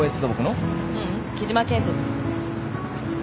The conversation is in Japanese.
ううん喜嶋建設。